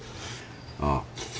あっ。